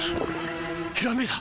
ひらめいた！